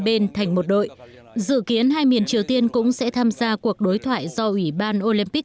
bên thành một đội dự kiến hai miền triều tiên cũng sẽ tham gia cuộc đối thoại do ủy ban olympic